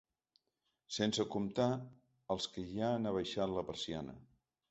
Sense comptar els que ja han abaixat la persiana.